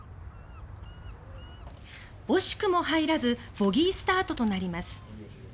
惜しくも入らずボギースタートとなります。